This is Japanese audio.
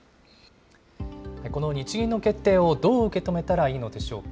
この日銀の決定をどう受け止めたらいいのでしょうか。